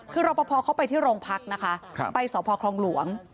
คือรอปภเขาไปที่โรงพักนะคะไปสพคลองหลวง